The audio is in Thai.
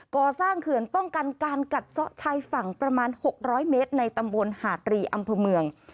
เขื่อนป้องกันการกัดซะชายฝั่งประมาณ๖๐๐เมตรในตำบลหาดรีอำเภอเมือง